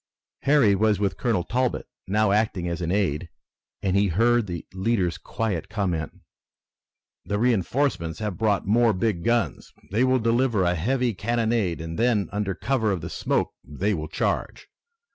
Harry was with Colonel Talbot, now acting as an aide, and he heard the leader's quiet comment: "The reinforcements have brought more big guns. They will deliver a heavy cannonade and then under cover of the smoke they will charge.